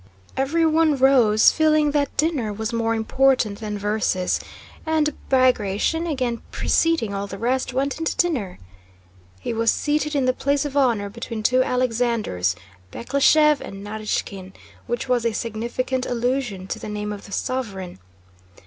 Everyone rose, feeling that dinner was more important than verses, and Bagratión, again preceding all the rest, went in to dinner. He was seated in the place of honor between two Alexanders—Bekleshëv and Narýshkin—which was a significant allusion to the name of the sovereign.